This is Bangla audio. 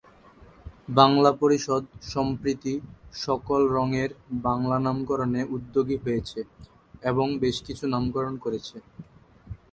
বাংলা পরিষদ সম্প্রতি সকল রংয়ের বাংলা নামকরণে উদ্যোগী হয়েছে এবং বেশকিছু নামকরণ করেছে।